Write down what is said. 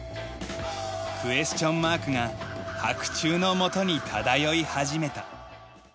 クエスチョンマークが白昼の下に漂い始めた。